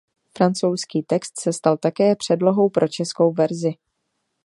Francouzský text se stal také předlohou pro českou verzi.